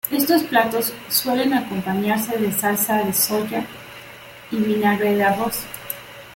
Estos platos suelen acompañarse de salsa de soja y vinagre de arroz.